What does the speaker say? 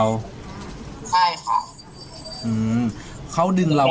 เขาเหยียดเพศเรายังไงอ่ะค่ะ